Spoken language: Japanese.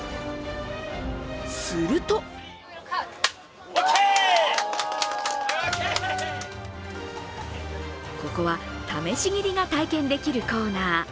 するとここは試し斬りが体験できるコーナー。